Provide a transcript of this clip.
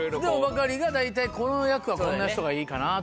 バカリが大体この役はこんな人がいいかなとか。